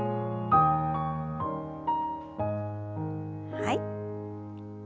はい。